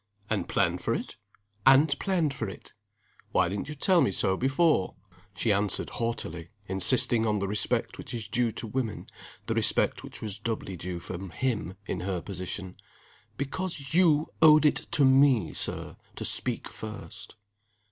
"And planned for it?" "And planned for it!" "Why didn't you tell me so before?" She answered haughtily; insisting on the respect which is due to women the respect which was doubly due from him, in her position. "Because you owed it to me, Sir, to speak first."